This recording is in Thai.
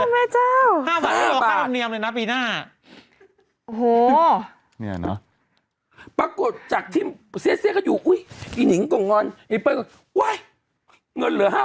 แม่ไม่ใช่สดุ้งหรอ